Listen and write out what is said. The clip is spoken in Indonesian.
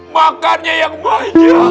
makannya yang banyak